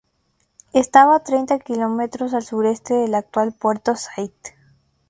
Estaba a treinta kilómetros al sureste del actual Puerto Saíd.